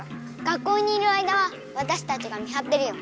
学校にいる間はわたしたちが見はってるよ。